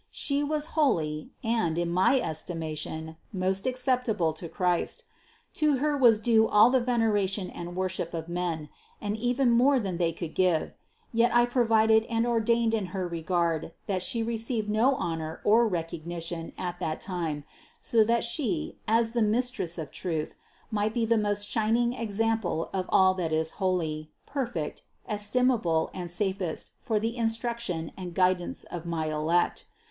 She was holy and, in my estimation, most acceptable to Christ; to Her was due all the veneration and worship of men, and even more than they could give ; yet I pro vided and ordained in her regard that She receive no honor or recognition at that time, so that She, as the Mistress of truth, might be the most shining example of all that is holy, perfect, estimable and safest for the in struction and guidance of my elect.